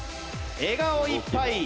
笑顔いっぱい！